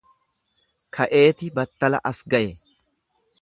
Ka'eeti battala as gaye.